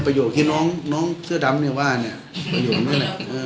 โยคที่น้องเสื้อดำเนี่ยว่าเนี่ยประโยคนั้น